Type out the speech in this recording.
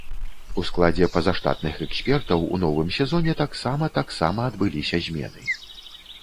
У складзе пазаштатных экспертаў у новым сезоне таксама таксама адбыліся змены.